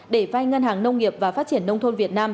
để vai ngân hàng nông nghiệp và phát triển nông thôn việt nam